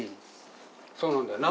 そうなんだよな。